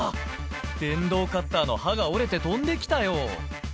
電動カッターの刃が折れて飛んできたよ。